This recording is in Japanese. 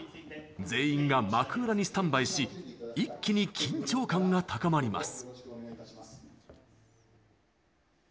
全員が幕裏にスタンバイし一気に緊張感が高まります。